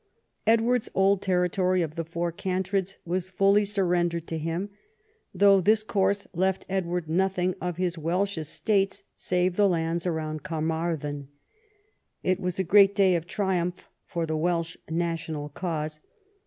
Edward's old territory of the Four Cantreds was fully surrendered to him, though this course left Edward nothing of his Welsh estates save the lands round Carmarthen. It was a great day of triumph for the Welsh national cause.